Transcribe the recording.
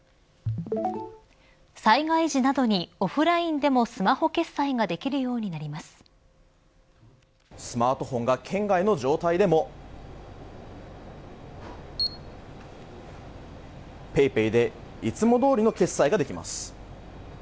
災害時などにオフラインでもスマホ決済がスマートフォンが圏外の状態でもＰａｙＰａｙでいつもどおりの決済ができます。